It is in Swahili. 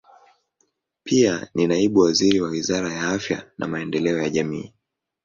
Pia ni naibu waziri wa Wizara ya Afya na Maendeleo ya Jamii.